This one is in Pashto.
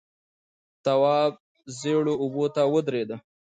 تواب ژېړو اوبو ته ودرېد.